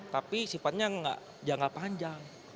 tapi sifatnya jangka panjang